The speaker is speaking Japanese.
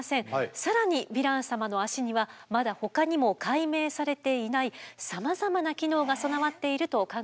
更にヴィラン様の脚にはまだほかにも解明されていないさまざまな機能が備わっていると考えられています。